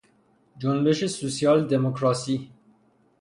جنبش سوسیال دموکراسی